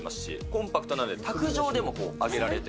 コンパクトなので、卓上でも揚げられて。